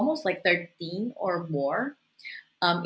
ada sekitar tiga belas atau lebih